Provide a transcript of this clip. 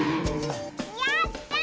やった！